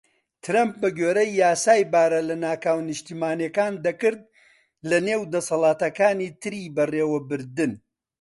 ترەمپ بە گوێرەی یاسای بارە لەناکاوە نیشتیمانیەکان دەکرد، لە نێو دەسەڵاتەکانی تری بەڕێوەبردن.